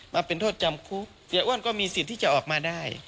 มาเป็นโทษจำคุกเสียอ้วนก็มีสิทธิ์ที่จะออกมาได้